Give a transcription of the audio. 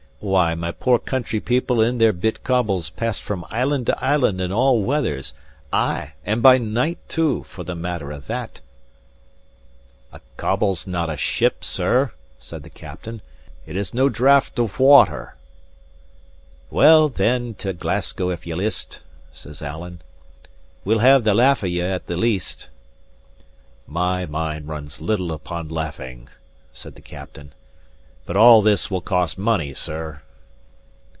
Why, my poor country people in their bit cobles* pass from island to island in all weathers, ay, and by night too, for the matter of that." *Coble: a small boat used in fishing. "A coble's not a ship, sir," said the captain. "It has nae draught of water." "Well, then, to Glasgow if ye list!" says Alan. "We'll have the laugh of ye at the least." "My mind runs little upon laughing," said the captain. "But all this will cost money, sir."